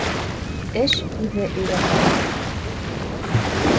Эш үҙе өйрәтә.